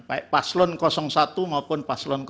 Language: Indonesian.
baik paslon satu maupun paslon dua